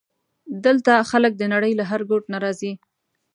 دلته خلک د نړۍ له هر ګوټ نه راځي.